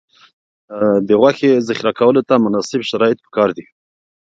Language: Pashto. د غوښې ذخیره کولو ته مناسب شرایط پکار دي.